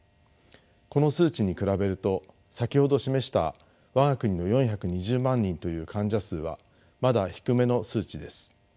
この数値に比べると先ほど示した我が国の４２０万人という患者数はまだ低めの数値です。